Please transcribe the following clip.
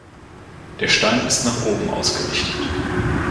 Der Stein ist nach oben ausgerichtet.